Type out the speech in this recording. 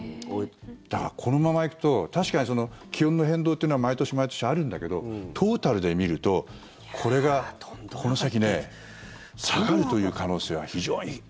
だから、このままいくと確かに気温の変動というのは毎年毎年あるんだけどトータルで見るとこれがこの先、下がるという可能性は非常に薄い。